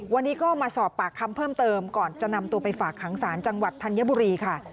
วันนี้ก็มาสอบปากคำเพิ่มเติมก่อนจะนำตัวไปฝากขังศาลจังหวัดธัญบุรีค่ะ